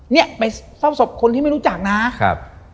เนี่ยไปเฝ้าศพคนที่ไม่รู้จักนะครับ